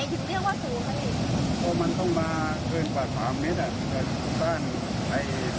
ก็คือตรงนี้ก็คือใกล้แต่หลุมเราจะถ้าจำถูกโดนเราก็โดนใช่ไหม